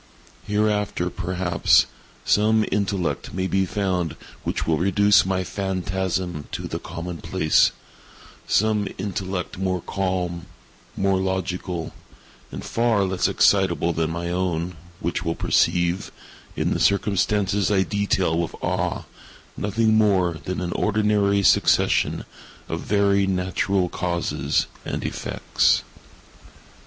Hereafter, perhaps, some intellect may be found which will reduce my phantasm to the common place—some intellect more calm, more logical, and far less excitable than my own, which will perceive, in the circumstances I detail with awe, nothing more than an ordinary succession of very natural causes and effects.